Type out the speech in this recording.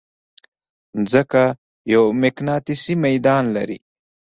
مځکه یو مقناطیسي ميدان لري.